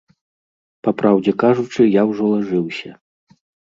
Па праўдзе кажучы, я ўжо лажыўся.